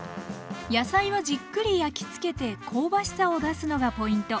野菜はじっくり焼き付けて香ばしさを出すのがポイント。